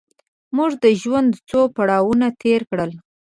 موږ د ژوند څو پړاوونه تېر کړل.